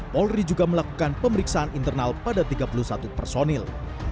polri juga melakukan pemeriksaan internal pada tiga puluh satu personil